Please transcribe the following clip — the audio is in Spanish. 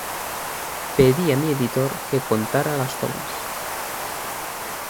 Pedí a mi editor que contara las tomas.